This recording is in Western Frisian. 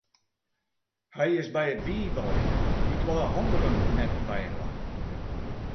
Hy is by it wiif wei, dy twa handigen net byinoar.